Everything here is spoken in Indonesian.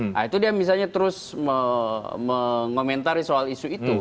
nah itu dia misalnya terus mengomentari soal isu itu